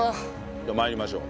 じゃあ参りましょう。